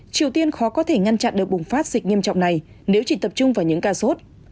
triều tiên khó có thể ngăn chặn được bùng phát dịch nghiêm trọng này nếu chỉ tập trung vào những ca sốt